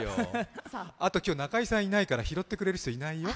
あと、今日中居さんいないから、拾ってくれる人いないよ？